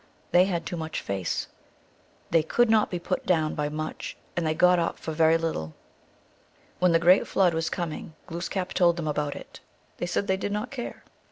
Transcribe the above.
They had too much face. They could not be put down by much, and they got up for very little. When the great Flood was coming Glooskap told them about it. They said they did not care.